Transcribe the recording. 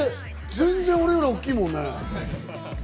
全然俺より大きいもんね。